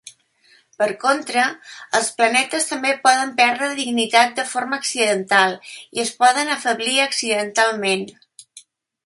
Per contra, els planetes també poden perdre dignitat de forma accidental i es poden afeblir accidentalment.